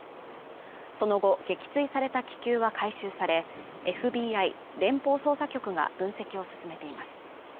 その後、撃墜された気球は回収され、ＦＢＩ連邦捜査局が分析を進めています。